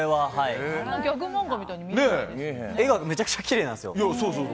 ギャグ漫画みたいには絵がむちゃくちゃきれいなんですよ。